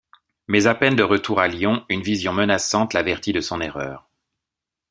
Mais à peine de retour à Lyon une vision menaçante l'avertit de son erreur.